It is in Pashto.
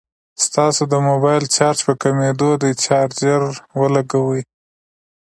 ستاسو د موبايل چارج په کميدو دی ، چارجر ولګوئ